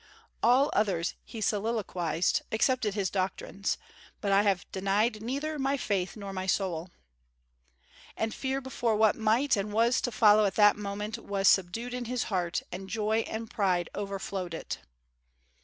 "All others," he soliloquized, "accepted his doctrines, but I have denied neither my faith nor my soul." And fear before what might and was to follow at that moment was subdued in his heart, and joy and pride overflowed it.